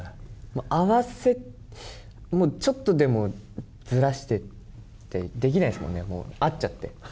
合わせて、ちょっとでもずらしてって、できないですもんね、合っちゃって。